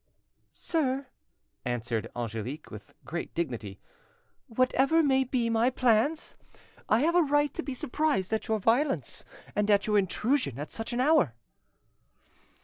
"Sir," answered Angelique, with great dignity, "whatever may be my plans, I have a right to be surprised at your violence and at your intrusion at such an hour."